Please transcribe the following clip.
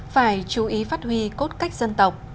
phải chú ý phát huy cốt cách dân tộc